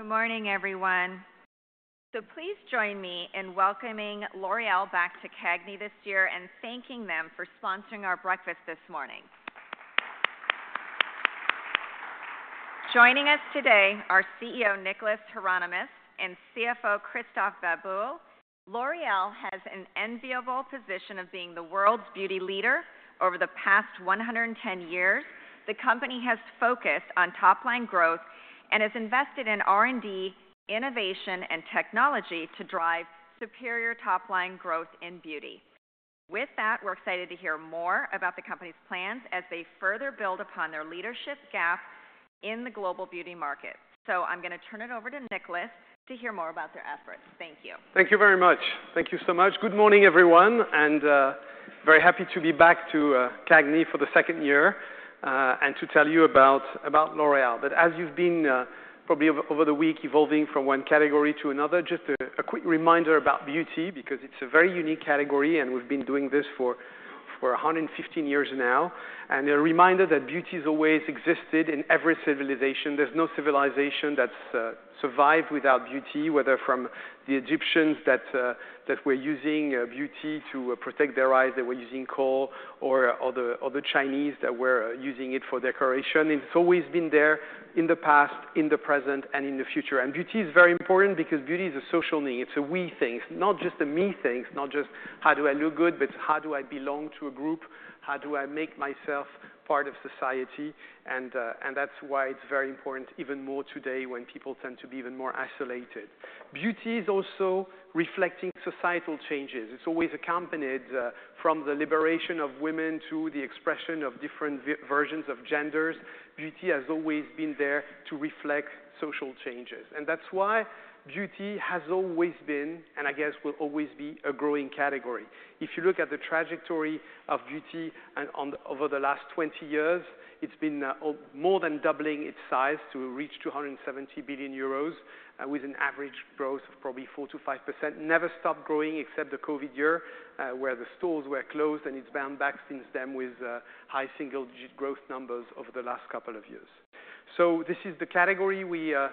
Good morning, everyone. Please join me in welcoming L'Oréal back to CAGNY this year and thanking them for sponsoring our breakfast this morning. Joining us today are CEO Nicolas Hieronimus and CFO Christophe Babule. L'Oréal has an enviable position of being the world's beauty leader over the past 110 years. The company has focused on top-line growth and has invested in R&D, innovation, and technology to drive superior top-line growth in beauty. With that, we're excited to hear more about the company's plans as they further build upon their leadership gap in the global beauty market. I'm going to turn it over to Nicolas to hear more about their efforts. Thank you. Thank you very much. Thank you so much. Good morning, everyone. And very happy to be back to CAGNY for the second year and to tell you about L'Oréal. But as you've been probably over the week evolving from one category to another, just a quick reminder about beauty because it's a very unique category, and we've been doing this for 115 years now. And a reminder that beauty has always existed in every civilization. There's no civilization that's survived without beauty, whether from the Egyptians that were using beauty to protect their eyes, they were using kohl, or the Chinese that were using it for decoration. And it's always been there in the past, in the present, and in the future. And beauty is very important because beauty is a social need. It's a we thing. It's not just a me thing. It's not just how do I look good, but it's how do I belong to a group? How do I make myself part of society? And that's why it's very important even more today when people tend to be even more isolated. Beauty is also reflecting societal changes. It's always accompanied from the liberation of women to the expression of different versions of genders. Beauty has always been there to reflect social changes. And that's why beauty has always been, and I guess will always be, a growing category. If you look at the trajectory of beauty over the last 20 years, it's been more than doubling its size to reach 270 billion euros with an average growth of probably 4%-5%. Never stopped growing except the COVID year where the stores were closed, and it's bounced back since then with high single-digit growth numbers over the last couple of years. So this is the category we are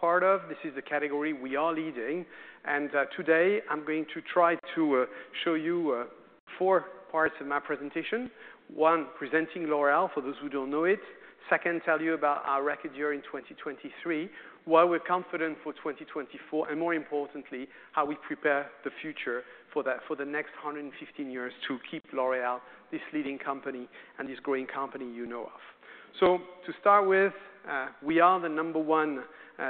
part of. This is the category we are leading. And today, I'm going to try to show you four parts of my presentation. One, presenting L'Oréal for those who don't know it. Second, tell you about our record year in 2023, why we're confident for 2024, and more importantly, how we prepare the future for the next 115 years to keep L'Oréal this leading company and this growing company you know of. So to start with, we are the number one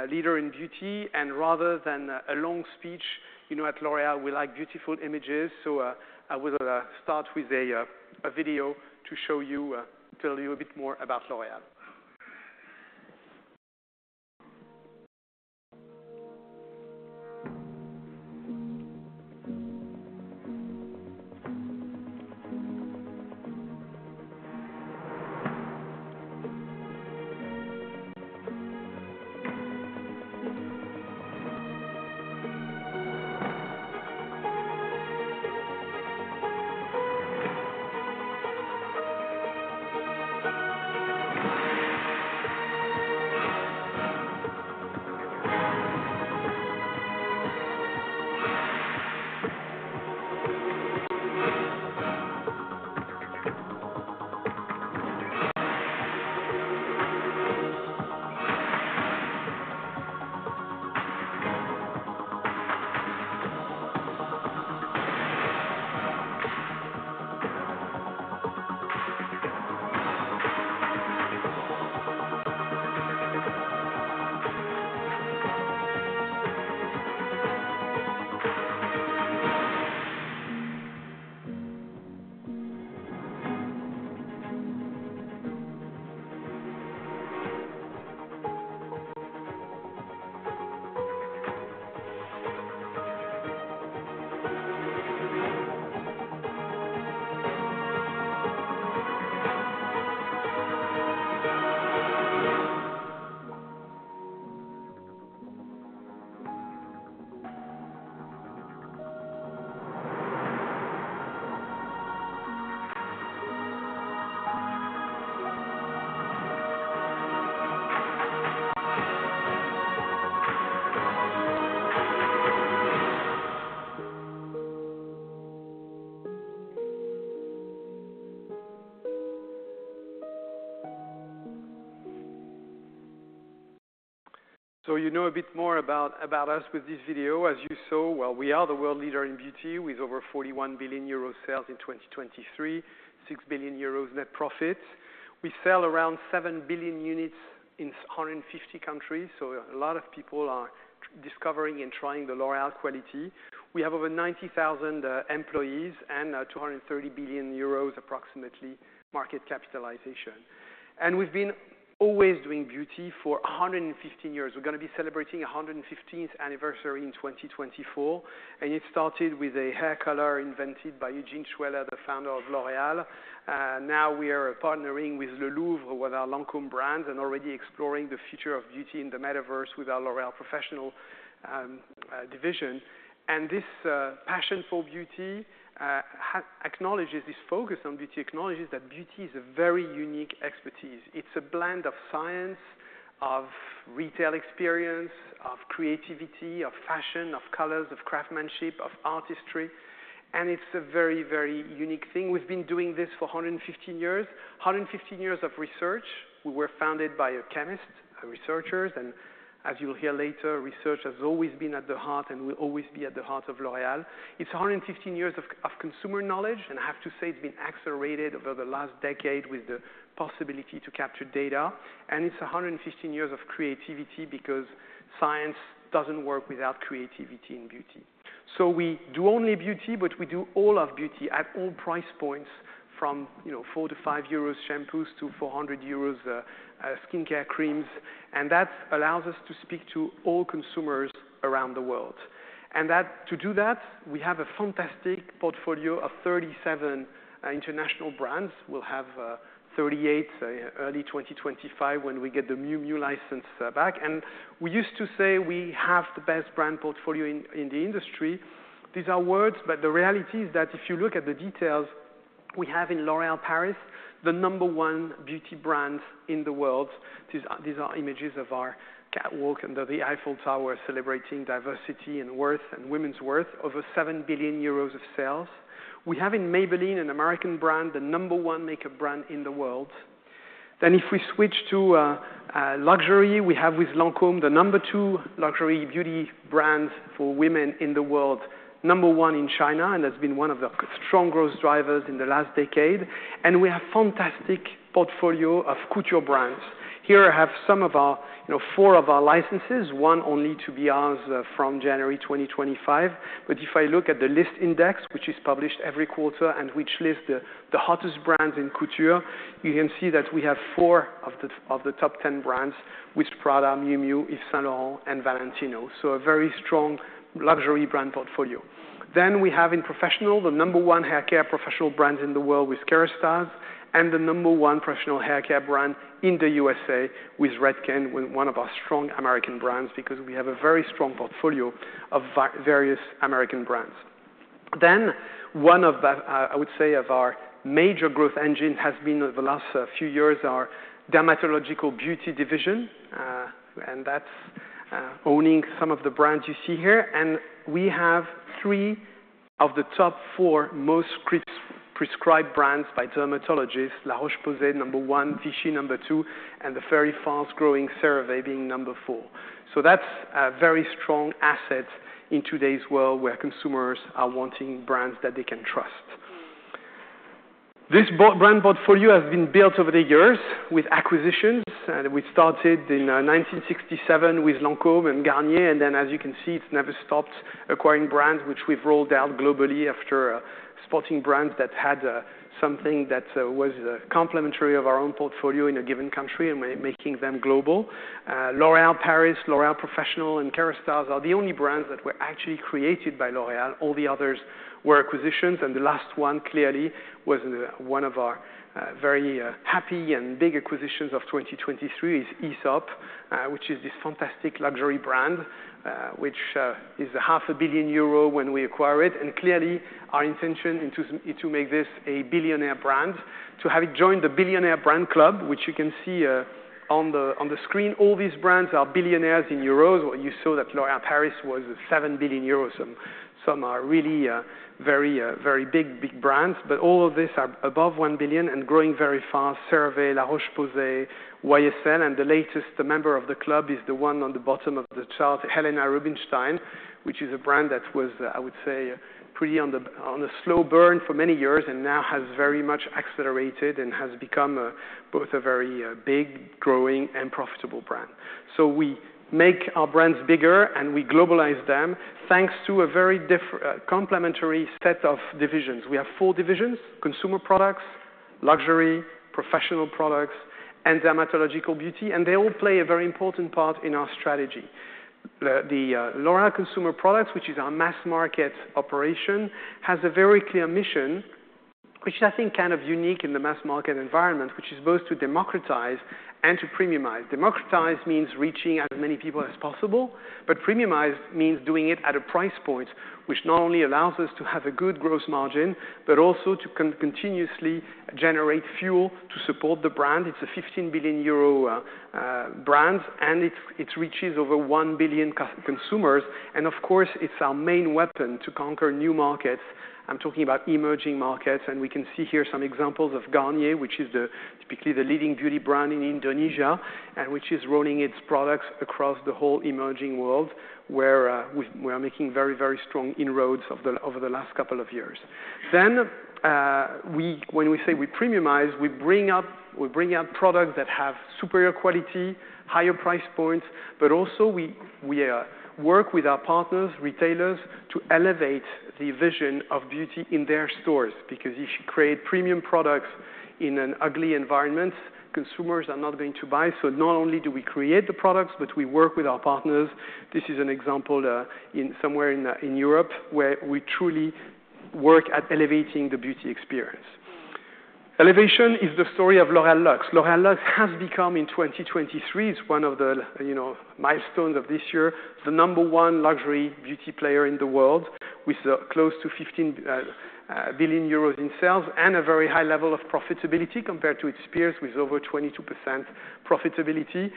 leader in beauty. And rather than a long speech, at L'Oréal, we like beautiful images. So I would start with a video to show you, tell you a bit more about L'Oréal. So you know a bit more about us with this video. As you saw, well, we are the world leader in beauty with over 41 billion euro sales in 2023, 6 billion euros net profit. We sell around 7 billion units in 150 countries. So a lot of people are discovering and trying the L'Oréal quality. We have over 90,000 employees and 230 billion euros approximately market capitalization. And we've been always doing beauty for 115 years. We're going to be celebrating the 115th anniversary in 2024. And it started with a hair color invented by Eugène Schueller, the founder of L'Oréal. Now we are partnering with the Louvre with our Lancôme brands and already exploring the future of beauty in the metaverse with our L'Oréal Professionnel division. And this passion for beauty acknowledges this focus on beauty acknowledges that beauty is a very unique expertise. It's a blend of science, of retail experience, of creativity, of fashion, of colors, of craftsmanship, of artistry. It's a very, very unique thing. We've been doing this for 115 years, 115 years of research. We were founded by a chemist, researchers. As you'll hear later, research has always been at the heart and will always be at the heart of L'Oréal. It's 115 years of consumer knowledge. I have to say it's been accelerated over the last decade with the possibility to capture data. It's 115 years of creativity because science doesn't work without creativity in beauty. We do only beauty, but we do all of beauty at all price points, from 4 to 5 euros shampoos to 400 euros skincare creams. That allows us to speak to all consumers around the world. And to do that, we have a fantastic portfolio of 37 international brands. We'll have 38 early 2025 when we get the Miu Miu license back. And we used to say we have the best brand portfolio in the industry. These are words, but the reality is that if you look at the details, we have in L'Oréal Paris, the number one beauty brand in the world. These are images of our catwalk under the Eiffel Tower celebrating diversity and worth and women's worth, over 7 billion euros of sales. We have in Maybelline, an American brand, the number one makeup brand in the world. Then if we switch to luxury, we have with Lancôme the number two luxury beauty brand for women in the world, number one in China, and has been one of the strong growth drivers in the last decade. We have a fantastic portfolio of couture brands. Here I have some of our four of our licenses, one only to be ours from January 2025. But if I look at the list index, which is published every quarter and which lists the hottest brands in couture, you can see that we have four of the top 10 brands with Prada, Miu Miu, Yves Saint Laurent, and Valentino. So a very strong luxury brand portfolio. Then we have in professional, the number one hair care professional brands in the world with Kérastase and the number one professional hair care brand in the USA with Redken, one of our strong American brands because we have a very strong portfolio of various American brands. Then one of, I would say, of our major growth engines has been over the last few years, our Dermatological Beauty division. That's owning some of the brands you see here. We have three of the top four most prescribed brands by dermatologists: La Roche-Posay, number one; Vichy, number two; and the very fast-growing CeraVe being number four. So that's a very strong asset in today's world where consumers are wanting brands that they can trust. This brand portfolio has been built over the years with acquisitions. We started in 1967 with Lancôme and Garnier. Then, as you can see, it's never stopped acquiring brands, which we've rolled out globally after spotting brands that had something that was complementary of our own portfolio in a given country and making them global. L'Oréal Paris, L'Oréal Professionnel, and Kérastase are the only brands that were actually created by L'Oréal. All the others were acquisitions. The last one, clearly, was one of our very happy and big acquisitions of 2023 is Aesop, which is this fantastic luxury brand, which is 0.5 billion euro when we acquire it. And clearly, our intention is to make this a billionaire brand, to have it join the billionaire brand club, which you can see on the screen. All these brands are billionaires in euros. You saw that L'Oréal Paris was 7 billion euros. Some are really very big, big brands. But all of these are above 1 billion and growing very fast: CeraVe, La Roche-Posay, YSL. And the latest member of the club is the one on the bottom of the chart, Helena Rubinstein, which is a brand that was, I would say, pretty on a slow burn for many years and now has very much accelerated and has become both a very big, growing, and profitable brand. So we make our brands bigger, and we globalize them thanks to a very complementary set of divisions. We have four divisions: Consumer Products, luxury, professional products, and dermatological beauty. And they all play a very important part in our strategy. The L'Oréal Consumer Products, which is our mass market operation, has a very clear mission, which is, I think, kind of unique in the mass market environment, which is both to democratize and to premiumize. Democratize means reaching as many people as possible. But premiumize means doing it at a price point which not only allows us to have a good gross margin but also to continuously generate fuel to support the brand. It's a 15 billion euro brand, and it reaches over 1 billion consumers. And of course, it's our main weapon to conquer new markets. I'm talking about emerging markets. We can see here some examples of Garnier, which is typically the leading beauty brand in Indonesia and which is rolling its products across the whole emerging world where we are making very, very strong inroads over the last couple of years. When we say we premiumize, we bring out products that have superior quality, higher price points. But also, we work with our partners, retailers, to elevate the vision of beauty in their stores because if you create premium products in an ugly environment, consumers are not going to buy. Not only do we create the products, but we work with our partners. This is an example somewhere in Europe where we truly work at elevating the beauty experience. Elevation is the story of L'Oréal Luxe. L'Oréal Luxe has become, in 2023, one of the milestones of this year, the number one luxury beauty player in the world with close to 15 billion euros in sales and a very high level of profitability compared to its peers with over 22% profitability.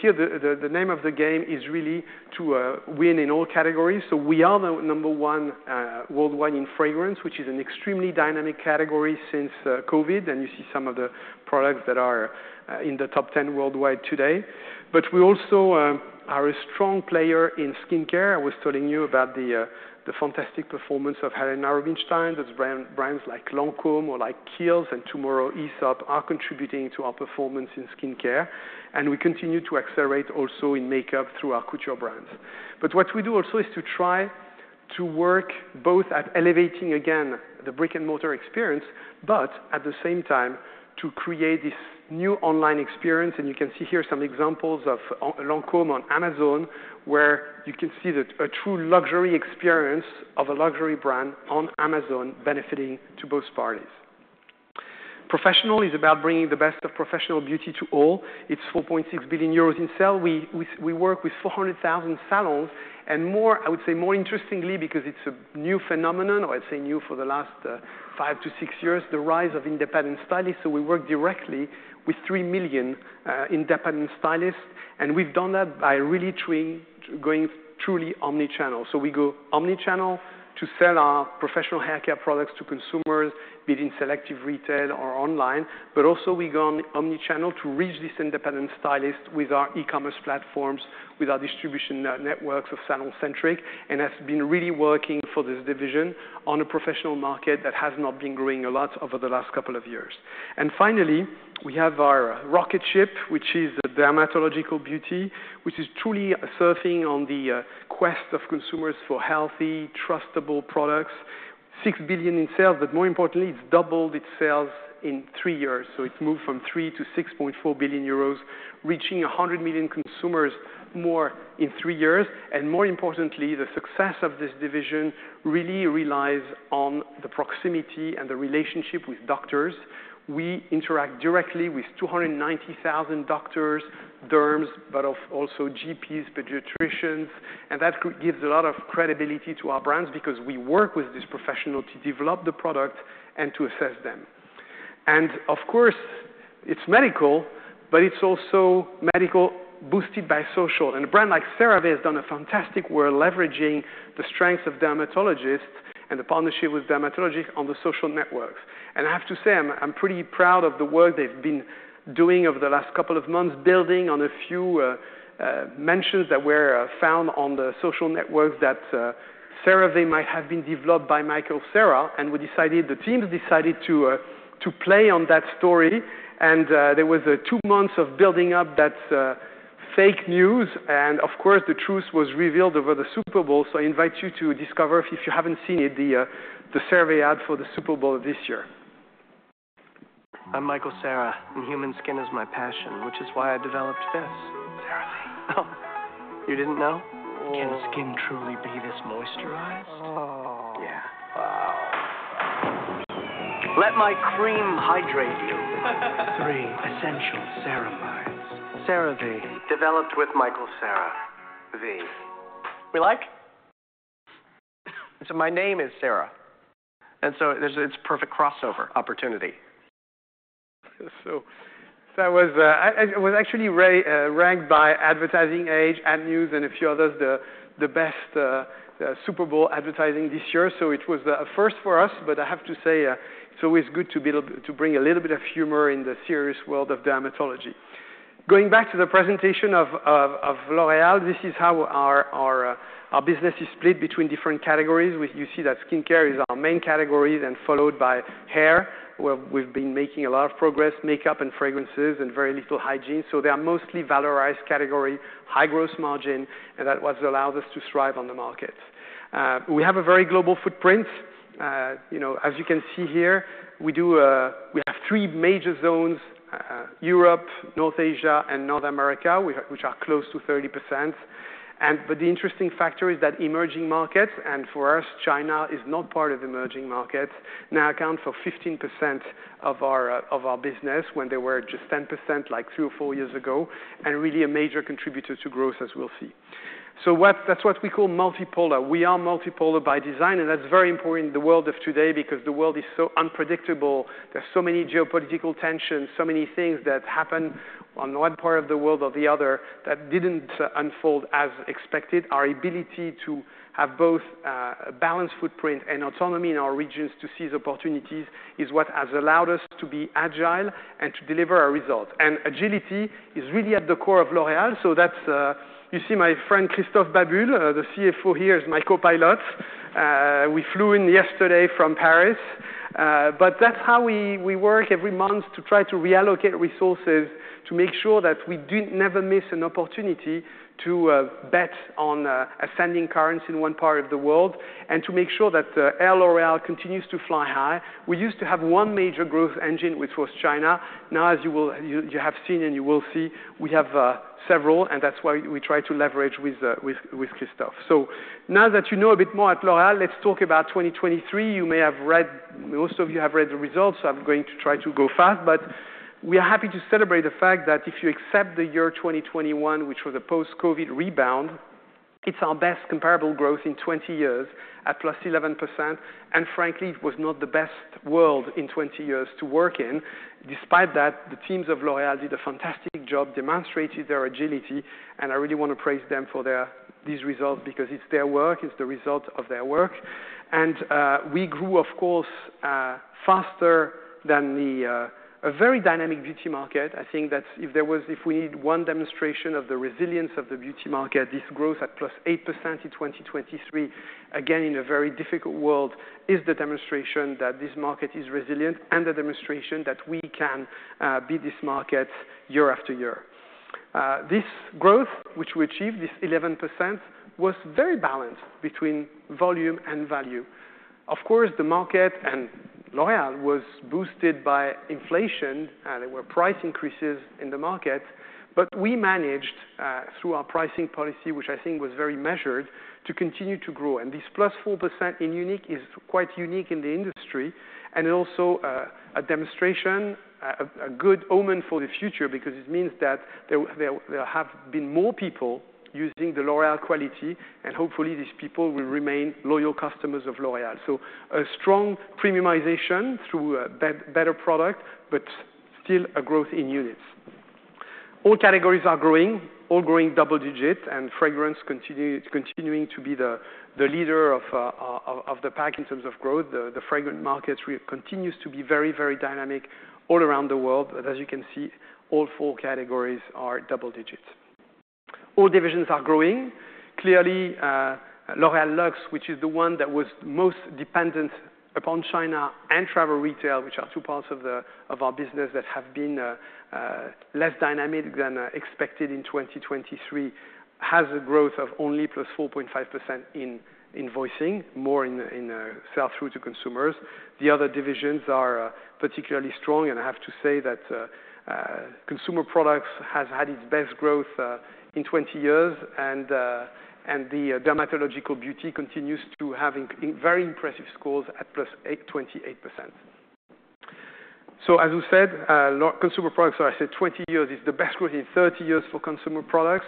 Here, the name of the game is really to win in all categories. We are the number one worldwide in fragrance, which is an extremely dynamic category since COVID. You see some of the products that are in the top 10 worldwide today. But we also are a strong player in skincare. I was telling you about the fantastic performance of Helena Rubinstein. That's brands like Lancôme or like Kiehl's and tomorrow Aesop are contributing to our performance in skincare. We continue to accelerate also in makeup through our couture brands. But what we do also is to try to work both at elevating, again, the brick-and-mortar experience but at the same time to create this new online experience. And you can see here some examples of Lancôme on Amazon where you can see a true luxury experience of a luxury brand on Amazon benefiting to both parties. Professional is about bringing the best of professional beauty to all. It's 4.6 billion euros in sales. We work with 400,000 salons. And I would say more interestingly because it's a new phenomenon, or I'd say new for the last 5-6 years, the rise of independent stylists. So we work directly with 3 million independent stylists. And we've done that by really going truly omnichannel. So we go omnichannel to sell our professional hair care products to consumers, be it in selective retail or online. But also, we go on omnichannel to reach these independent stylists with our e-commerce platforms, with our distribution networks of SalonCentric. And I've been really working for this division on a professional market that has not been growing a lot over the last couple of years. And finally, we have our rocket ship, which is Dermatological Beauty, which is truly surfing on the quest of consumers for healthy, trustable products. 6 billion in sales. But more importantly, it's doubled its sales in three years. So it moved from 3 billion to 6.4 billion euros, reaching 100 million consumers more in three years. And more importantly, the success of this division really relies on the proximity and the relationship with doctors. We interact directly with 290,000 doctors, derms, but also GPs, pediatricians. And that gives a lot of credibility to our brands because we work with this professional to develop the product and to assess them. And of course, it's medical, but it's also medical boosted by social. And a brand like CeraVe has done a fantastic work leveraging the strengths of dermatologists and the partnership with dermatology on the social networks. And I have to say, I'm pretty proud of the work they've been doing over the last couple of months, building on a few mentions that were found on the social networks that CeraVe might have been developed by Michael Cera. And the teams decided to play on that story. And there was two months of building up that fake news. And of course, the truth was revealed over the Super Bowl. I invite you to discover, if you haven't seen it, the CeraVe ad for the Super Bowl of this year. I'm Michael Cera. Human skin is my passion, which is why I developed this. CeraVe. Oh. You didn't know? Can skin truly be this moisturized? Oh. Yeah. Wow. Let my cream hydrate you. Three essential ceramides. CeraVe. Developed with Michael Cera. We like? My name is Cera. It's a perfect crossover opportunity. So I was actually ranked by Advertising Age, AdNews, and a few others, the best Super Bowl advertising this year. So it was a first for us. But I have to say, it's always good to bring a little bit of humor in the serious world of dermatology. Going back to the presentation of L'Oréal, this is how our business is split between different categories. You see that skincare is our main category and followed by hair, where we've been making a lot of progress, makeup and fragrances, and very little hygiene. So they are mostly valorized category, high gross margin. And that's what allows us to thrive on the market. We have a very global footprint. As you can see here, we have three major zones: Europe, North Asia, and North America, which are close to 30%. But the interesting factor is that emerging markets, and for us, China is not part of emerging markets, now account for 15% of our business when they were just 10% like three or four years ago and really a major contributor to growth, as we'll see. So that's what we call multipolar. We are multipolar by design. And that's very important in the world of today because the world is so unpredictable. There's so many geopolitical tensions, so many things that happen on one part of the world or the other that didn't unfold as expected. Our ability to have both a balanced footprint and autonomy in our regions to seize opportunities is what has allowed us to be agile and to deliver a result. And agility is really at the core of L'Oréal. So you see my friend Christophe Babule, the CFO here, is my co-pilot. We flew in yesterday from Paris. But that's how we work every month to try to reallocate resources to make sure that we never miss an opportunity to bet on ascending currency in one part of the world and to make sure that Air L'Oréal continues to fly high. We used to have one major growth engine, which was China. Now, as you have seen and you will see, we have several. And that's why we try to leverage with Christophe. So now that you know a bit more at L'Oréal, let's talk about 2023. Most of you have read the results. So I'm going to try to go fast. But we are happy to celebrate the fact that if you accept the year 2021, which was a post-COVID rebound, it's our best comparable growth in 20 years at +11%. And frankly, it was not the best world in 20 years to work in. Despite that, the teams of L'Oréal did a fantastic job, demonstrated their agility. And I really want to praise them for these results because it's their work. It's the result of their work. And we grew, of course, faster than a very dynamic beauty market. I think if we need one demonstration of the resilience of the beauty market, this growth at +8% in 2023, again, in a very difficult world, is the demonstration that this market is resilient and the demonstration that we can beat this market year after year. This growth, which we achieved, this 11%, was very balanced between volume and value. Of course, the market and L'Oréal was boosted by inflation. There were price increases in the market. But we managed through our pricing policy, which I think was very measured, to continue to grow. And this +4% in unique is quite unique in the industry. And it's also a demonstration, a good omen for the future because it means that there have been more people using the L'Oréal quality. And hopefully, these people will remain loyal customers of L'Oréal. So a strong premiumization through a better product but still a growth in units. All categories are growing, all growing double-digit. And fragrance is continuing to be the leader of the pack in terms of growth. The fragrance market continues to be very, very dynamic all around the world. But as you can see, all four categories are double-digit. All divisions are growing. Clearly, L'Oréal Luxe, which is the one that was most dependent upon China and travel retail, which are two parts of our business that have been less dynamic than expected in 2023, has a growth of only +4.5% in invoicing, more in sell-through to consumers. The other divisions are particularly strong. And I have to say that Consumer Products have had its best growth in 20 years. And the Dermatological Beauty continues to have very impressive scores at +28%. So as we said, Consumer Products are, I said, 20 years is the best growth in 30 years for Consumer Products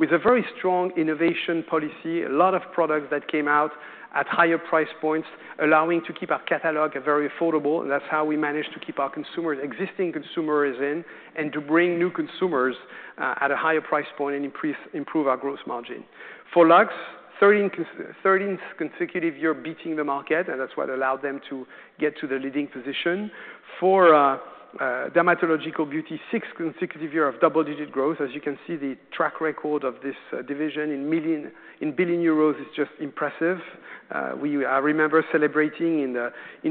with a very strong innovation policy, a lot of products that came out at higher price points allowing to keep our catalog very affordable. That's how we managed to keep our existing consumers in and to bring new consumers at a higher price point and improve our gross margin. For Luxe, 13th consecutive year beating the market. That's what allowed them to get to the leading position. For dermatological beauty, 6th consecutive year of double-digit growth. As you can see, the track record of this division in billion euros is just impressive. I remember celebrating in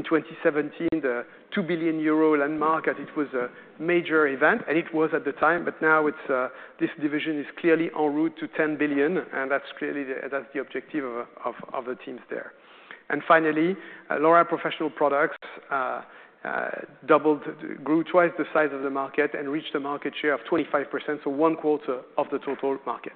2017 the 2 billion euro landmark that it was a major event. It was at the time. But now this division is clearly en route to 10 billion. That's the objective of the teams there. Finally, L'Oréal Professionnel grew twice the size of the market and reached a market share of 25%, so one quarter of the total market.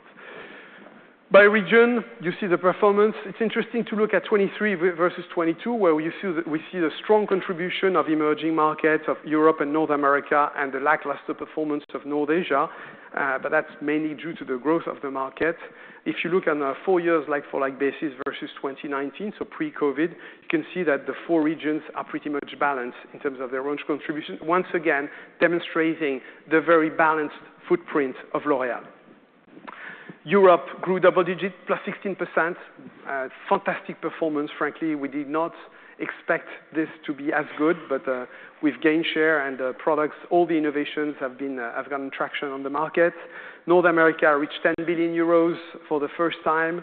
By region, you see the performance. It's interesting to look at 2023 versus 2022 where we see the strong contribution of emerging markets of Europe and North America and the lackluster performance of North Asia. But that's mainly due to the growth of the market. If you look on a four-year like-for-like basis versus 2019, so pre-COVID, you can see that the four regions are pretty much balanced in terms of their range contribution, once again demonstrating the very balanced footprint of L'Oréal. Europe grew double-digit, +16%. Fantastic performance. Frankly, we did not expect this to be as good. But we've gained share. And all the innovations have gotten traction on the market. North America reached 10 billion euros for the first time.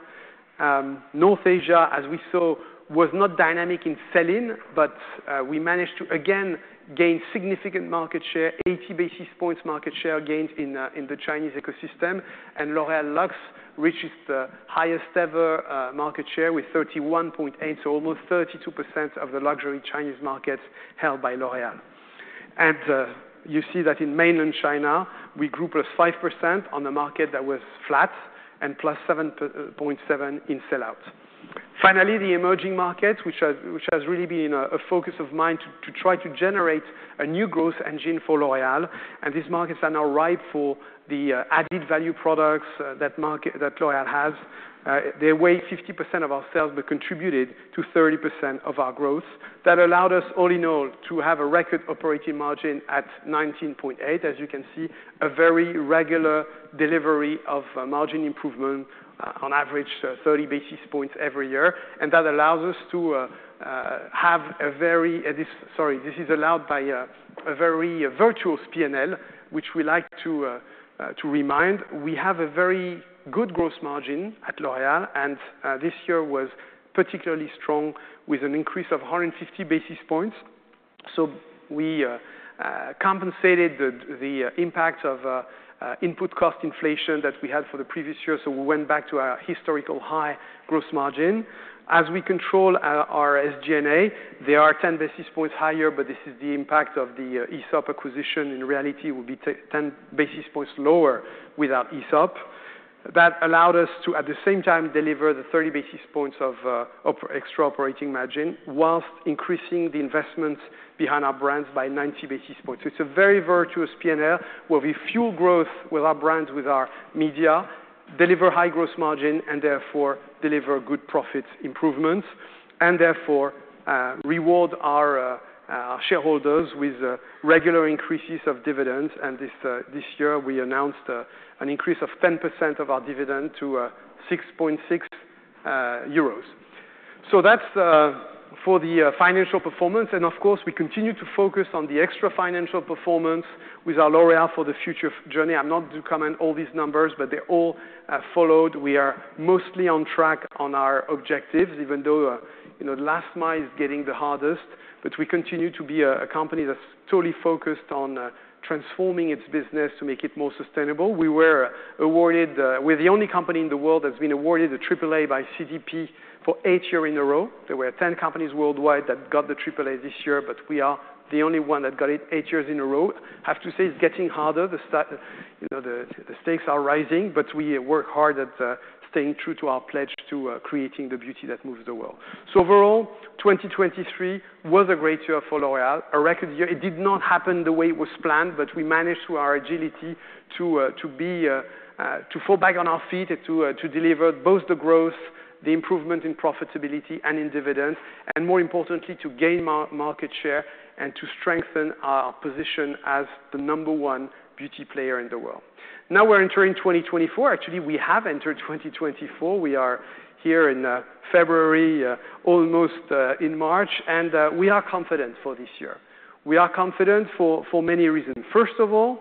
North Asia, as we saw, was not dynamic in selling. But we managed to, again, gain significant market share, 80 basis points market share gains in the Chinese ecosystem. L'Oréal Luxe reached its highest-ever market share with 31.8%, so almost 32% of the luxury Chinese markets held by L'Oréal. You see that in mainland China, we grew +5% on a market that was flat and +7.7% in sell-out. Finally, the emerging markets, which has really been a focus of mind to try to generate a new growth engine for L'Oréal. These markets are now ripe for the added value products that L'Oréal has. They weigh 50% of our sales but contributed to 30% of our growth. That allowed us, all in all, to have a record operating margin at 19.8%. As you can see, a very regular delivery of margin improvement, on average, 30 basis points every year. That allows us to have a very sorry, this is allowed by a very virtuous P&L, which we like to remind. We have a very good gross margin at L'Oréal. This year was particularly strong with an increase of 150 basis points. We compensated the impact of input cost inflation that we had for the previous year. We went back to our historical high gross margin. As we control our SG&A, they are 10 basis points higher. This is the impact of the ESOP acquisition. In reality, it will be 10 basis points lower without ESOP. That allowed us to, at the same time, deliver the 30 basis points of extra operating margin whilst increasing the investments behind our brands by 90 basis points. It's a very virtuous P&L where we fuel growth with our brands, with our media, deliver high gross margin, and therefore deliver good profit improvements, and therefore reward our shareholders with regular increases of dividends. This year, we announced an increase of 10% of our dividend to 6.6 euros. So that's for the financial performance. Of course, we continue to focus on the extra financial performance with our L'Oréal for the future journey. I'm not to comment all these numbers, but they're all followed. We are mostly on track on our objectives, even though last mile is getting the hardest. But we continue to be a company that's totally focused on transforming its business to make it more sustainable. We were awarded. We're the only company in the world that's been awarded the AAA by CDP for eight years in a row. There were 10 companies worldwide that got the AAA this year. But we are the only one that got it eight years in a row. I have to say, it's getting harder. The stakes are rising. But we work hard at staying true to our pledge to creating the beauty that moves the world. So overall, 2023 was a great year for L'Oréal, a record year. It did not happen the way it was planned. But we managed, through our agility, to fall back on our feet and to deliver both the growth, the improvement in profitability, and in dividends, and more importantly, to gain market share and to strengthen our position as the number one beauty player in the world. Now we're entering 2024. Actually, we have entered 2024. We are here in February, almost in March. And we are confident for this year. We are confident for many reasons. First of all,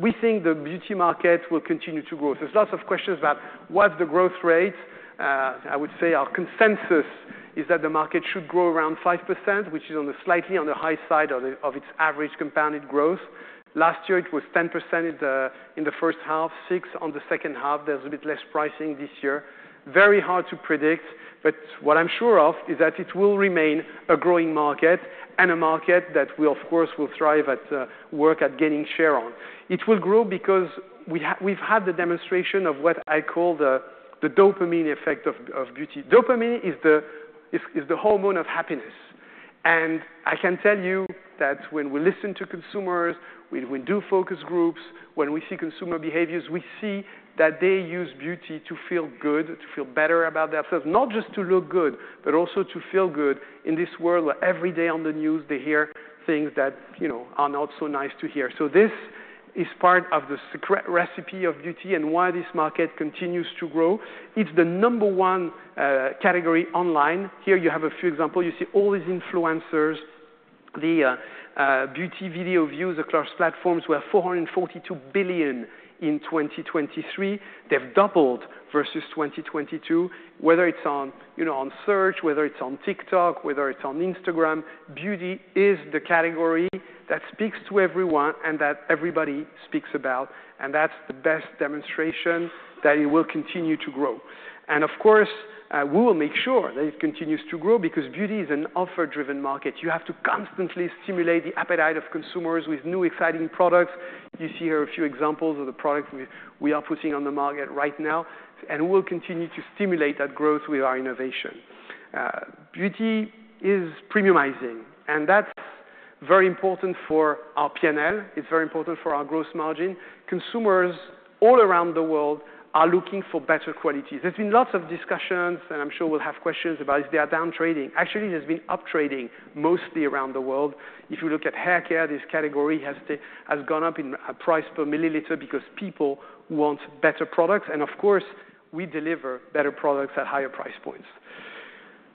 we think the beauty market will continue to grow. So there's lots of questions about what's the growth rate. I would say our consensus is that the market should grow around 5%, which is slightly on the high side of its average compounded growth. Last year, it was 10% in the first half, 6% on the second half. There's a bit less pricing this year. Very hard to predict. But what I'm sure of is that it will remain a growing market and a market that, of course, will thrive at work at gaining share on. It will grow because we've had the demonstration of what I call the dopamine effect of beauty. Dopamine is the hormone of happiness. I can tell you that when we listen to consumers, when we do focus groups, when we see consumer behaviors, we see that they use beauty to feel good, to feel better about themselves, not just to look good but also to feel good in this world where every day on the news, they hear things that are not so nice to hear. So this is part of the secret recipe of beauty and why this market continues to grow. It's the number one category online. Here, you have a few examples. You see all these influencers, the beauty video views across platforms were 442 billion in 2023. They've doubled versus 2022. Whether it's on search, whether it's on TikTok, whether it's on Instagram, beauty is the category that speaks to everyone and that everybody speaks about. And that's the best demonstration that it will continue to grow. Of course, we will make sure that it continues to grow because beauty is an offer-driven market. You have to constantly stimulate the appetite of consumers with new exciting products. You see here a few examples of the products we are putting on the market right now. We will continue to stimulate that growth with our innovation. Beauty is premiumizing. That's very important for our P&L. It's very important for our gross margin. Consumers all around the world are looking for better qualities. There's been lots of discussions. I'm sure we'll have questions about, is there a downtrading? Actually, there's been uptrading mostly around the world. If you look at haircare, this category has gone up in price per milliliter because people want better products. Of course, we deliver better products at higher price points.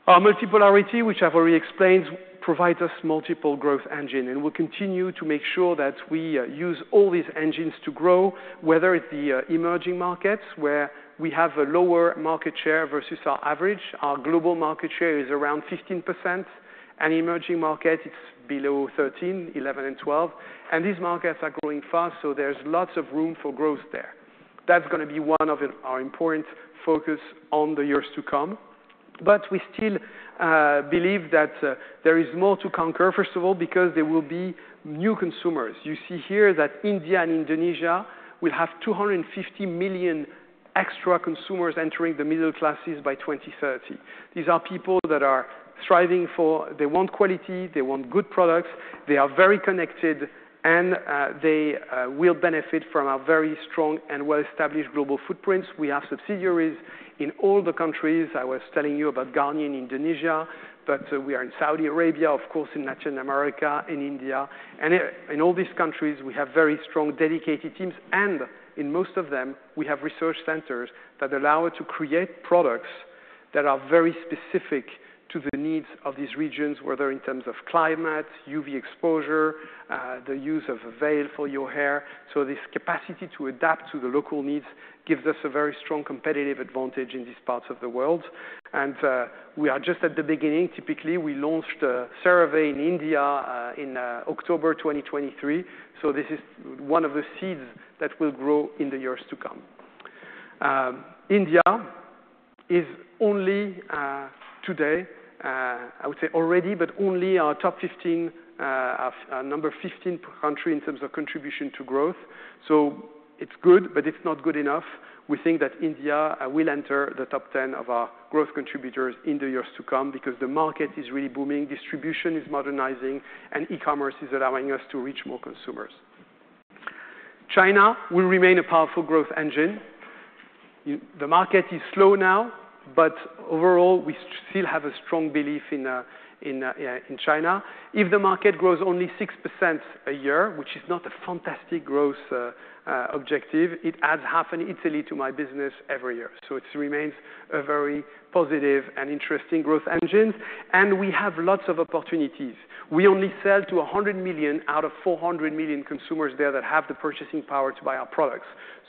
Our multi-polarity, which I've already explained, provides us multiple growth engines. We'll continue to make sure that we use all these engines to grow, whether it's the emerging markets where we have a lower market share versus our average. Our global market share is around 15%. Emerging markets, it's below 13%, 11%, and 12%. These markets are growing fast. So there's lots of room for growth there. That's going to be one of our important focuses on the years to come. But we still believe that there is more to conquer, first of all, because there will be new consumers. You see here that India and Indonesia will have 250 million extra consumers entering the middle classes by 2030. These are people that are thriving for they want quality. They want good products. They are very connected. They will benefit from our very strong and well-established global footprints. We have subsidiaries in all the countries. I was telling you about Garnier in Indonesia. We are in Saudi Arabia, of course, in Latin America, in India. In all these countries, we have very strong, dedicated teams. In most of them, we have research centers that allow us to create products that are very specific to the needs of these regions, whether in terms of climate, UV exposure, the use of a veil for your hair. So this capacity to adapt to the local needs gives us a very strong competitive advantage in these parts of the world. We are just at the beginning. Typically, we launched a survey in India in October 2023. So this is one of the seeds that will grow in the years to come. India is only today, I would say already, but only our number 15 country in terms of contribution to growth. So it's good. But it's not good enough. We think that India will enter the top 10 of our growth contributors in the years to come because the market is really booming, distribution is modernizing, and e-commerce is allowing us to reach more consumers. China will remain a powerful growth engine. The market is slow now. But overall, we still have a strong belief in China. If the market grows only 6% a year, which is not a fantastic growth objective, it adds half an Italy to my business every year. So it remains a very positive and interesting growth engine. And we have lots of opportunities. We only sell to 100 million out of 400 million consumers there that have the purchasing power to buy our products.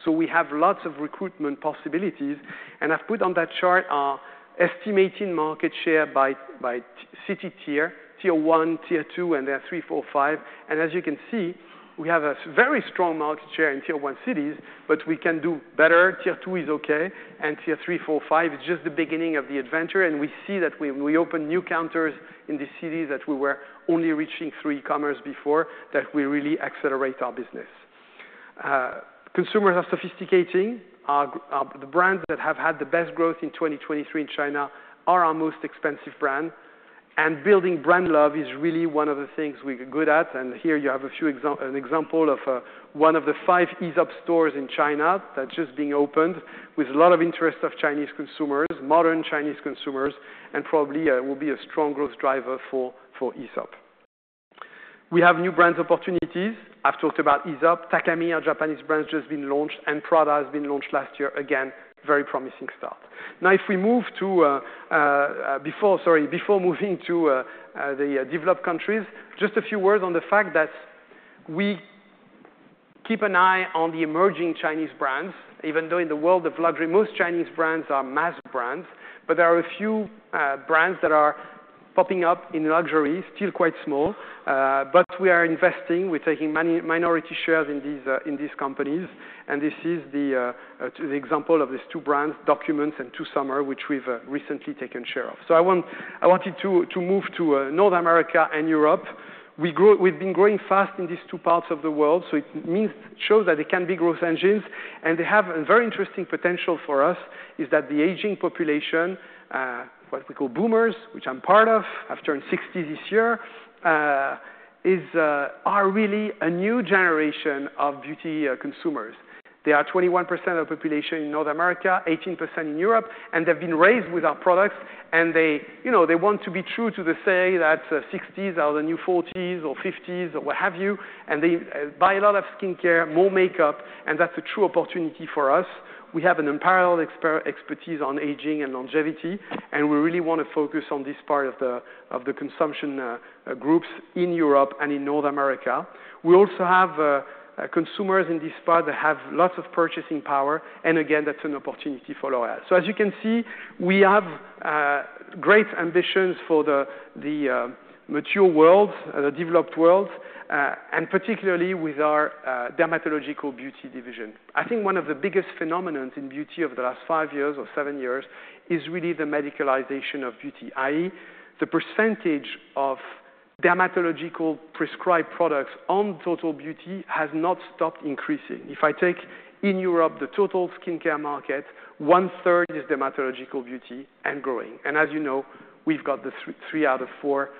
We have lots of recruitment possibilities. I've put on that chart our estimated market share by city tier, tier 1, tier 2, and then 3, 4, 5. As you can see, we have a very strong market share in tier 1 cities. We can do better. Tier 2 is OK. Tier 3, 4, 5, it's just the beginning of the adventure. We see that when we open new counters in these cities that we were only reaching through e-commerce before, that we really accelerate our business. Consumers are sophisticating. The brands that have had the best growth in 2023 in China are our most expensive brand. Building brand love is really one of the things we're good at. And here, you have an example of one of the 5 Aesop stores in China that's just being opened with a lot of interest of Chinese consumers, modern Chinese consumers, and probably will be a strong growth driver for Aesop. We have new brands opportunities. I've talked about Aesop. Takami, our Japanese brand, has just been launched. And Prada has been launched last year. Again, very promising start. Now, if we move to before, sorry, before moving to the developed countries, just a few words on the fact that we keep an eye on the emerging Chinese brands. Even though in the world of luxury, most Chinese brands are mass brands. But there are a few brands that are popping up in luxury, still quite small. But we are investing. We're taking minority shares in these companies. This is the example of these two brands, Documents and To Summer, which we've recently taken share of. I wanted to move to North America and Europe. We've been growing fast in these two parts of the world. It shows that they can be growth engines. They have a very interesting potential for us: that the aging population, what we call boomers, which I'm part of, have turned 60 this year, are really a new generation of beauty consumers. They are 21% of the population in North America, 18% in Europe. They've been raised with our products. They want to be true to the saying that 60s are the new 40s or 50s or what have you. They buy a lot of skincare, more makeup. That's a true opportunity for us. We have an unparalleled expertise on aging and longevity. We really want to focus on this part of the consumption groups in Europe and in North America. We also have consumers in this part that have lots of purchasing power. And again, that's an opportunity for L'Oréal. So as you can see, we have great ambitions for the mature world, the developed world, and particularly with our Dermatological Beauty division. I think one of the biggest phenomena in beauty of the last five years or seven years is really the medicalization of beauty, i.e., the percentage of dermatological prescribed products on total beauty has not stopped increasing. If I take in Europe the total skincare market, one-third is Dermatological Beauty and growing. And as you know, we've got the three out of four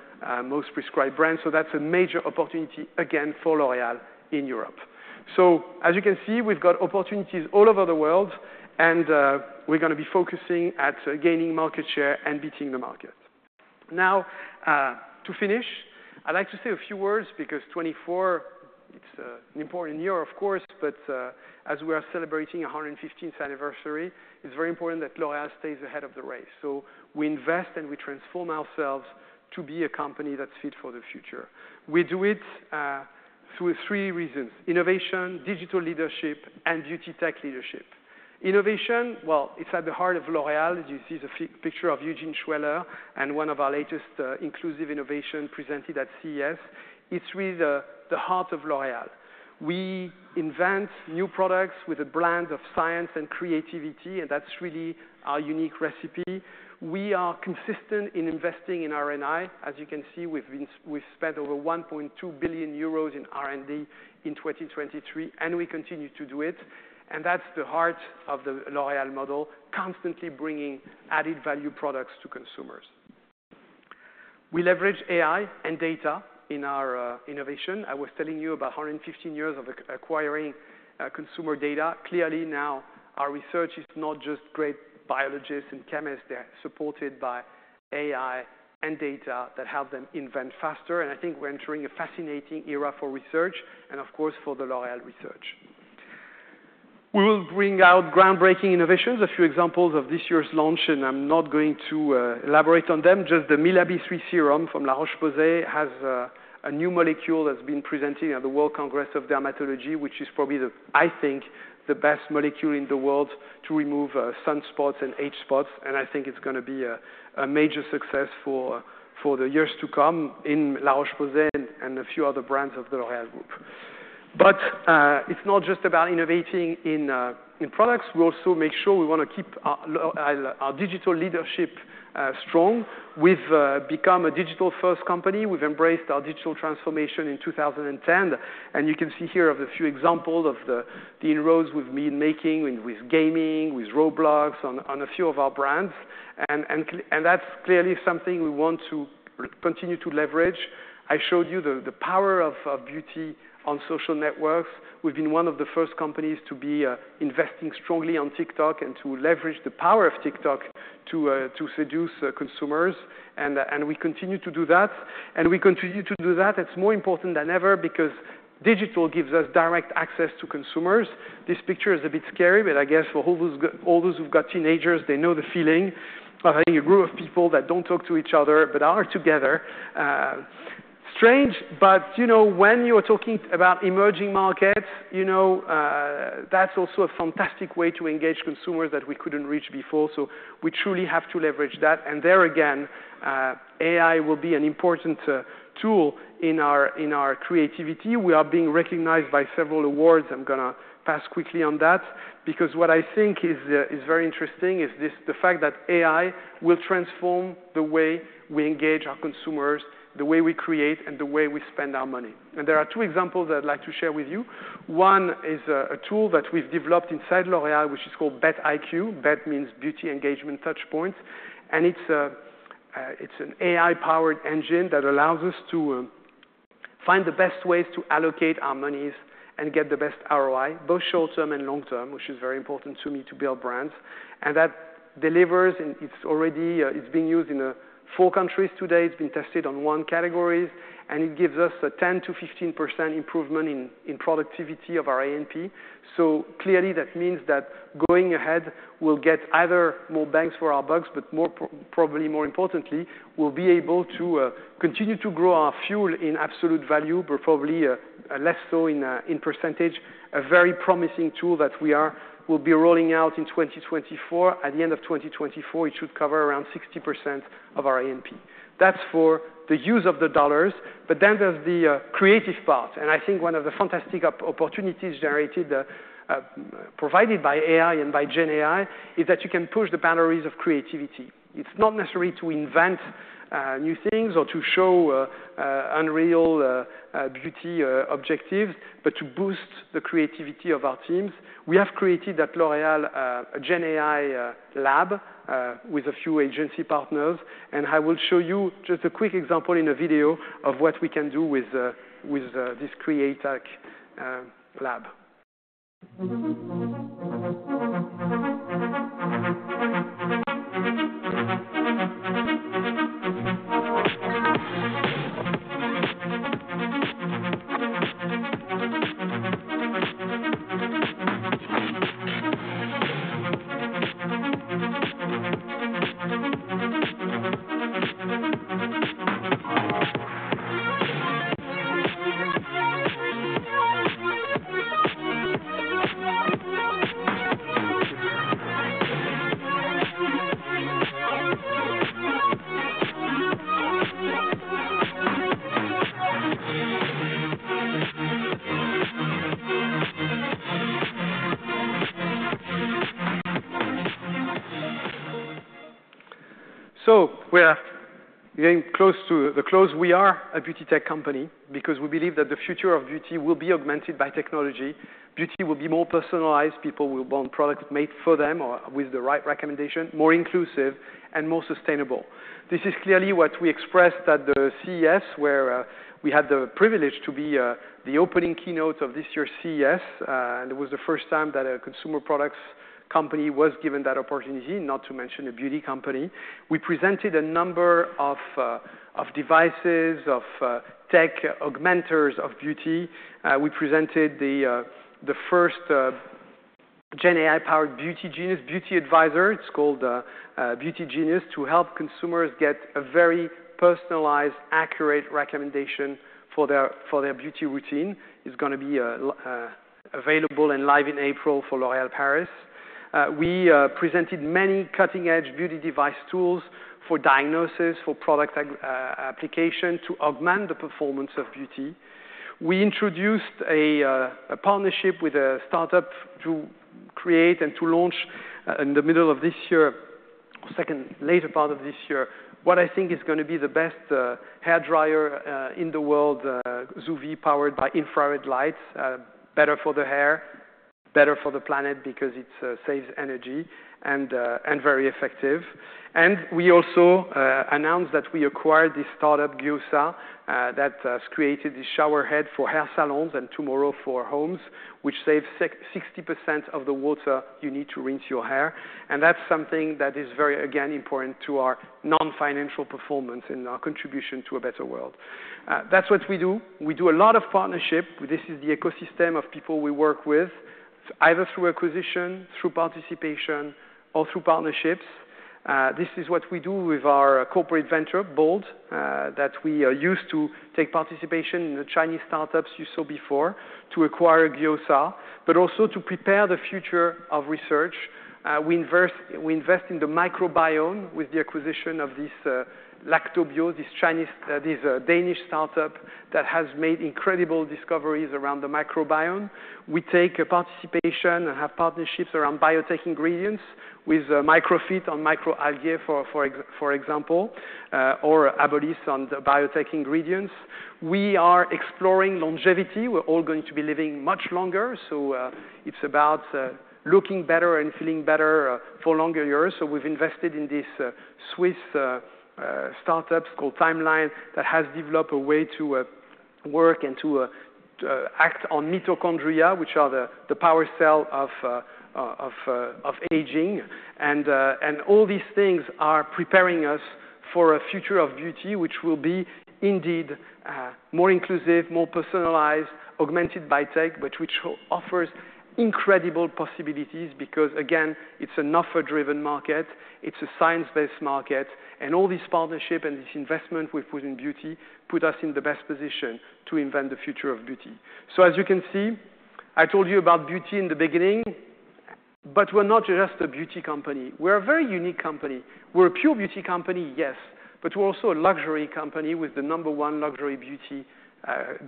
most prescribed brands. So that's a major opportunity, again, for L'Oréal in Europe. So as you can see, we've got opportunities all over the world. We're going to be focusing at gaining market share and beating the market. Now, to finish, I'd like to say a few words because 2024, it's an important year, of course. But as we are celebrating 115th anniversary, it's very important that L'Oréal stays ahead of the race. So we invest and we transform ourselves to be a company that's fit for the future. We do it through three reasons: innovation, digital leadership, and beauty tech leadership. Innovation, well, it's at the heart of L'Oréal. You see the picture of Eugène Schueller and one of our latest inclusive innovations presented at CES. It's really the heart of L'Oréal. We invent new products with a blend of science and creativity. And that's really our unique recipe. We are consistent in investing in R&I. As you can see, we've spent over 1.2 billion euros in R&D in 2023. And we continue to do it. And that's the heart of the L'Oréal model, constantly bringing added value products to consumers. We leverage AI and data in our innovation. I was telling you about 115 years of acquiring consumer data. Clearly, now our research is not just great biologists and chemists. They're supported by AI and data that help them invent faster. And I think we're entering a fascinating era for research and, of course, for the L'Oréal research. We will bring out groundbreaking innovations, a few examples of this year's launch. And I'm not going to elaborate on them. Just the Mela B3 serum from La Roche-Posay has a new molecule that's been presented at the World Congress of Dermatology, which is probably, I think, the best molecule in the world to remove sunspots and age spots. I think it's going to be a major success for the years to come in La Roche-Posay and a few other brands of the L'Oréal group. But it's not just about innovating in products. We also make sure we want to keep our digital leadership strong. We've become a digital-first company. We've embraced our digital transformation in 2010. You can see here a few examples of the inroads we've been making with gaming, with Roblox, on a few of our brands. That's clearly something we want to continue to leverage. I showed you the power of beauty on social networks. We've been one of the first companies to be investing strongly on TikTok and to leverage the power of TikTok to seduce consumers. We continue to do that. We continue to do that. It's more important than ever because digital gives us direct access to consumers. This picture is a bit scary. But I guess for all those who've got teenagers, they know the feeling of having a group of people that don't talk to each other but are together. Strange. But when you are talking about emerging markets, that's also a fantastic way to engage consumers that we couldn't reach before. So we truly have to leverage that. And there, again, AI will be an important tool in our creativity. We are being recognized by several awards. I'm going to pass quickly on that because what I think is very interesting is the fact that AI will transform the way we engage our consumers, the way we create, and the way we spend our money. And there are two examples that I'd like to share with you. One is a tool that we've developed inside L'Oréal, which is called BetIQ. Bet means beauty engagement touchpoints. And it's an AI-powered engine that allows us to find the best ways to allocate our monies and get the best ROI, both short-term and long-term, which is very important to me to build brands. And that delivers. It's being used in 4 countries today. It's been tested on 1 category. And it gives us a 10%-15% improvement in productivity of our A&P. So clearly, that means that going ahead will get either more banks for our bucks, but probably more importantly, we'll be able to continue to grow our fuel in absolute value, but probably less so in percentage. A very promising tool that we will be rolling out in 2024. At the end of 2024, it should cover around 60% of our A&P. That's for the use of the dollars. But then there's the creative part. And I think one of the fantastic opportunities provided by AI and by GenAI is that you can push the boundaries of creativity. It's not necessary to invent new things or to show unreal beauty objectives, but to boost the creativity of our teams. We have created at L'Oréal a GenAI lab with a few agency partners. And I will show you just a quick example in a video of what we can do with this Create Lab. So we're getting close to the close. We are a beauty tech company because we believe that the future of beauty will be augmented by technology. Beauty will be more personalized. People will want products made for them or with the right recommendations, more inclusive, and more sustainable. This is clearly what we expressed at the CES, where we had the privilege to be the opening keynote of this year's CES. It was the first time that a Consumer Products company was given that opportunity, not to mention a beauty company. We presented a number of devices, of tech augmenters of beauty. We presented the first GenAI-powered beauty genius, beauty advisor. It's called Beauty Genius, to help consumers get a very personalized, accurate recommendation for their beauty routine. It's going to be available and live in April for L'Oréal Paris. We presented many cutting-edge beauty device tools for diagnosis, for product application, to augment the performance of beauty. We introduced a partnership with a startup to create and to launch in the middle of this year or later part of this year what I think is going to be the best hair dryer in the world, Zuvi, powered by infrared lights. Better for the hair, better for the planet because it saves energy and very effective. And we also announced that we acquired this startup, Gjosa, that has created this shower head for hair salons and tomorrow for homes, which saves 60% of the water you need to rinse your hair. And that's something that is very, again, important to our non-financial performance and our contribution to a better world. That's what we do. We do a lot of partnership. This is the ecosystem of people we work with, either through acquisition, through participation, or through partnerships. This is what we do with our corporate venture, BOLD, that we use to take participation in the Chinese startups you saw before, to acquire Gjosa, but also to prepare the future of research. We invest in the microbiome with the acquisition of this Lactobio, this Danish startup that has made incredible discoveries around the microbiome. We take participation and have partnerships around biotech ingredients with Microphyt on microalgae, for example, or Abolis on biotech ingredients. We are exploring longevity. We're all going to be living much longer. So it's about looking better and feeling better for longer years. So we've invested in this Swiss startup called Timeline that has developed a way to work and to act on mitochondria, which are the power cell of aging. And all these things are preparing us for a future of beauty, which will be indeed more inclusive, more personalized, augmented by tech, which offers incredible possibilities because, again, it's an offer-driven market. It's a science-based market. And all this partnership and this investment we've put in beauty put us in the best position to invent the future of beauty. So as you can see, I told you about beauty in the beginning. But we're not just a beauty company. We're a very unique company. We're a pure beauty company, yes. But we're also a luxury company with the number one luxury beauty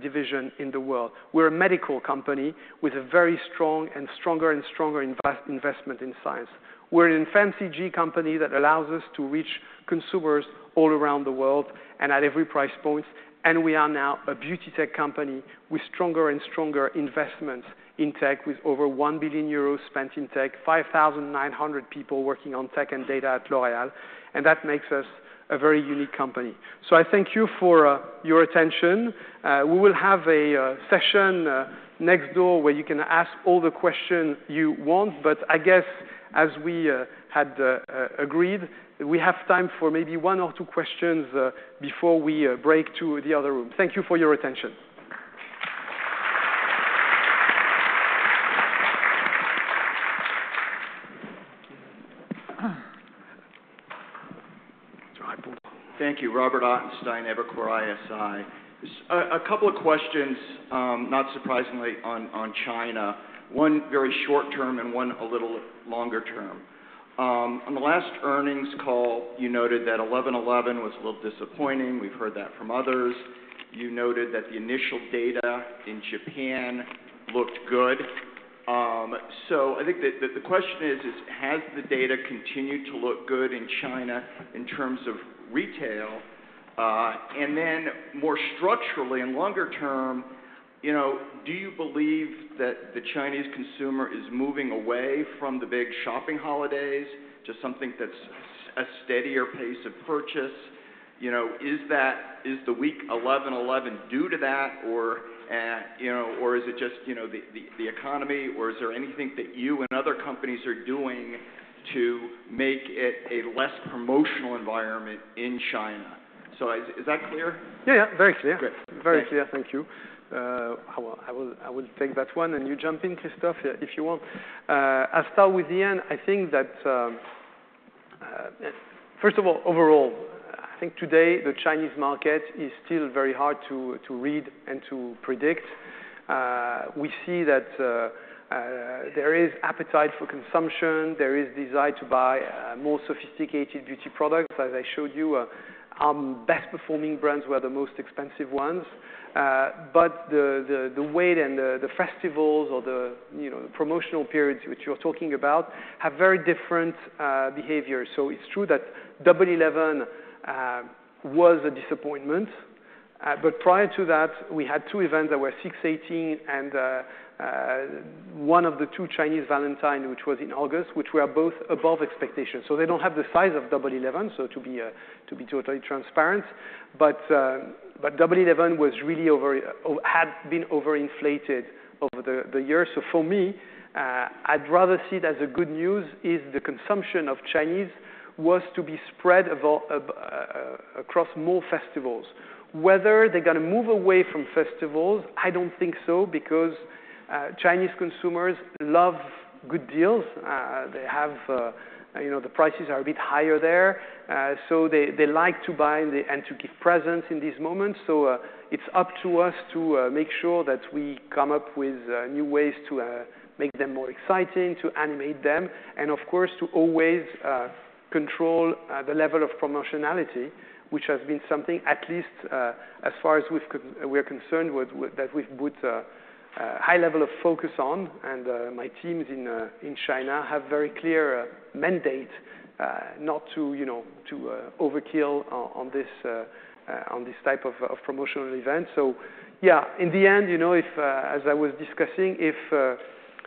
division in the world. We're a medical company with a very strong and stronger and stronger investment in science. We're an FMCG company that allows us to reach consumers all around the world and at every price point. We are now a Beauty Tech company with stronger and stronger investments in tech, with over 1 billion euros spent in tech, 5,900 people working on tech and data at L'Oréal. And that makes us a very unique company. So I thank you for your attention. We will have a session next door where you can ask all the questions you want. But I guess, as we had agreed, we have time for maybe one or two questions before we break to the other room. Thank you for your attention. Thank you. Robert Ottenstein, Evercore ISI. A couple of questions, not surprisingly, on China, one very short-term and one a little longer term. On the last earnings call, you noted that 11/11 was a little disappointing. We've heard that from others. You noted that the initial data in Japan looked good. So I think that the question is, has the data continued to look good in China in terms of retail? And then more structurally and longer term, do you believe that the Chinese consumer is moving away from the big shopping holidays to something that's a steadier pace of purchase? Is the week 11/11 due to that, or is it just the economy? Or is there anything that you and other companies are doing to make it a less promotional environment in China? So is that clear? Yeah, yeah. Very clear. Very clear. Thank you. I will take that one. And you jump in, Christophe, if you want. I'll start with the end. I think that, first of all, overall, I think today the Chinese market is still very hard to read and to predict. We see that there is appetite for consumption. There is desire to buy more sophisticated beauty products. As I showed you, our best-performing brands were the most expensive ones. But the weight and the festivals or the promotional periods which you're talking about have very different behaviors. So it's true that 11/11 was a disappointment. But prior to that, we had two events that were 6/18 and one of the two Chinese Valentine, which was in August, which were both above expectations. So they don't have the size of 11/11, so to be totally transparent. But 11/11 had been overinflated over the year. So for me, I'd rather see it as good news is the consumption of Chinese was to be spread across more festivals. Whether they're going to move away from festivals, I don't think so because Chinese consumers love good deals. The prices are a bit higher there. So they like to buy and to give presents in these moments. So it's up to us to make sure that we come up with new ways to make them more exciting, to animate them, and of course, to always control the level of promotionality, which has been something, at least as far as we're concerned, that we've put a high level of focus on. And my teams in China have a very clear mandate not to overkill on this type of promotional event. So yeah, in the end, as I was discussing,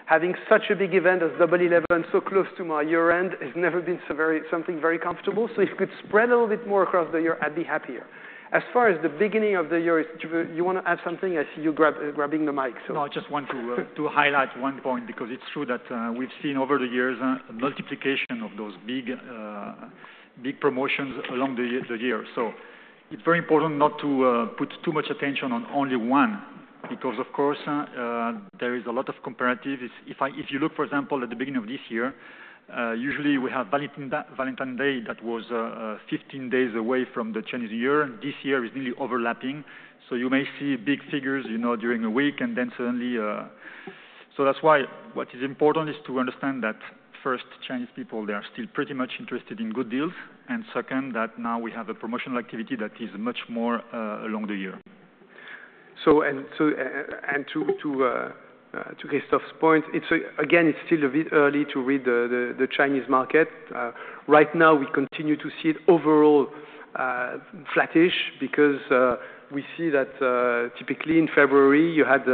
having such a big event as 11/11 so close to my year-end has never been something very comfortable. So if it could spread a little bit more across the year, I'd be happier. As far as the beginning of the year, you want to add something? I see you grabbing the mic, so. No, just one to highlight one point because it's true that we've seen over the years a multiplication of those big promotions along the year. So it's very important not to put too much attention on only one because, of course, there is a lot of comparatives. If you look, for example, at the beginning of this year, usually, we have Valentine's Day that was 15 days away from the Chinese year. This year is nearly overlapping. You may see big figures during a week and then suddenly, so that's why what is important is to understand that, first, Chinese people, they are still pretty much interested in good deals. And second, that now we have a promotional activity that is much more along the year. To Christophe's point, again, it's still a bit early to read the Chinese market. Right now, we continue to see it overall flattish because we see that typically, in February, you had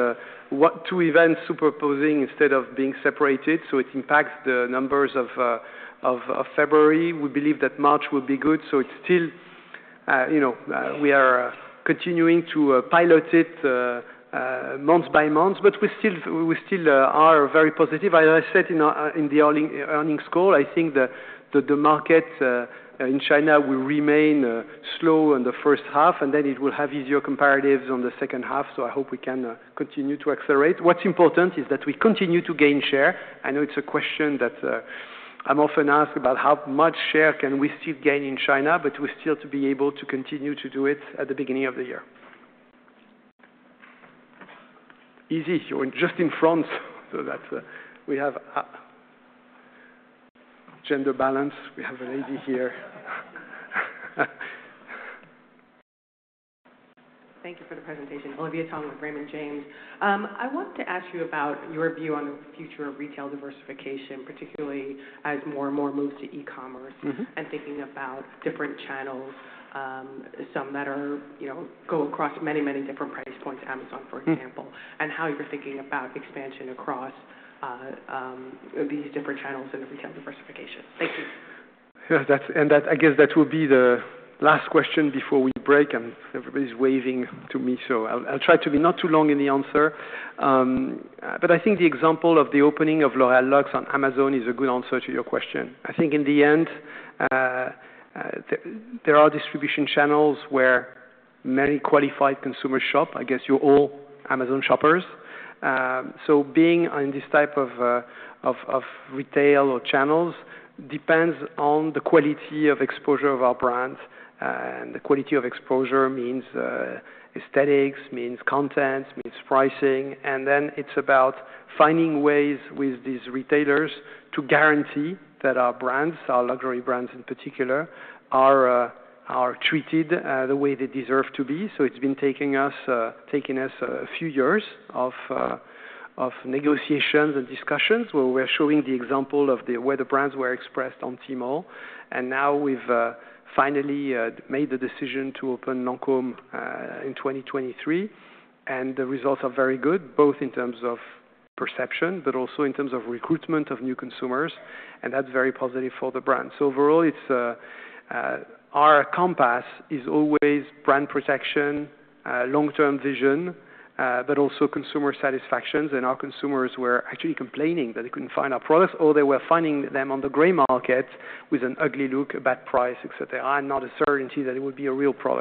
two events superposing instead of being separated. It impacts the numbers of February. We believe that March will be good. We are continuing to pilot it month by month. But we still are very positive. As I said in the earnings call, I think the market in China will remain slow in the first half. And then it will have easier comparatives in the second half. I hope we can continue to accelerate. What's important is that we continue to gain share. I know it's a question that I'm often asked about, how much share can we still gain in China? But we're still to be able to continue to do it at the beginning of the year. Easy. You're just in front. So we have gender balance. We have a lady here. Thank you for the presentation, Olivia Tong with Raymond James. I want to ask you about your view on the future of retail diversification, particularly as more and more moves to e-commerce and thinking about different channels, some that go across many, many different price points, Amazon, for example, and how you're thinking about expansion across these different channels in the retail diversification. Thank you. I guess that will be the last question before we break. Everybody's waving to me. So I'll try to be not too long in the answer. But I think the example of the opening of L'Oréal Luxe on Amazon is a good answer to your question. I think in the end, there are distribution channels where many qualified consumers shop. I guess you're all Amazon shoppers. So being in this type of retail or channels depends on the quality of exposure of our brand. And the quality of exposure means aesthetics, means content, means pricing. And then it's about finding ways with these retailers to guarantee that our brands, our luxury brands in particular, are treated the way they deserve to be. So it's been taking us a few years of negotiations and discussions where we are showing the example of where the brands were expressed on Tmall. Now we've finally made the decision to open Lancôme in 2023. The results are very good, both in terms of perception but also in terms of recruitment of new consumers. That's very positive for the brand. So overall, our compass is always brand protection, long-term vision, but also consumer satisfactions. Our consumers were actually complaining that they couldn't find our products, or they were finding them on the gray market with an ugly look, bad price, etc., and not a certainty that it would be a real product.